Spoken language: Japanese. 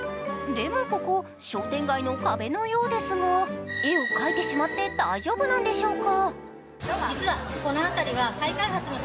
でも、ここ、商店街の壁のようですが、絵を描いてしまって大丈夫なんでしょうか？